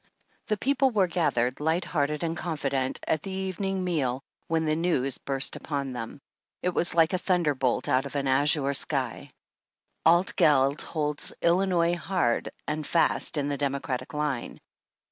The people were gathered, light hearted and con fident, at the evening meal, when the news burst upon them. It was like a thunder bolt out of an azure sky :" Altgeld holds Illinois hard and fast in the Democratic line.